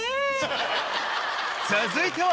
続いては